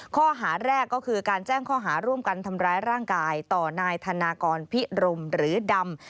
ข้อหาแรกก็คือการแจ้งข้อหาร่วมกันทำร้ายร่างกายต่อนายธนากรพิรมหรือดำ